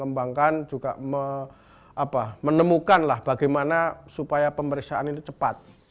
menemukan bagaimana supaya pemeriksaan ini cepat